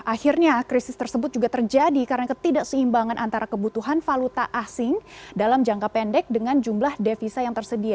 akhirnya krisis tersebut juga terjadi karena ketidakseimbangan antara kebutuhan valuta asing dalam jangka pendek dengan jumlah devisa yang tersedia